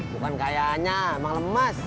bukan kayaknya emang lemes